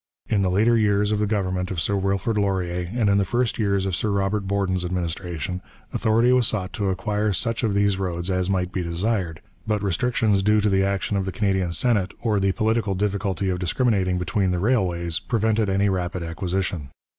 In the later years of the government of Sir Wilfrid Laurier and in the first years of Sir Robert Borden's administration, authority was sought to acquire such of these roads as might be desired, but restrictions due to the action of the Canadian Senate or the political difficulty of discriminating between the railways prevented any rapid acquisition.